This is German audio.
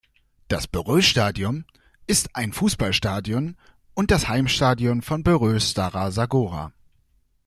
Das Beroe-Stadion ist ein Fußballstadion und das Heimstadion von Beroe Stara Sagora.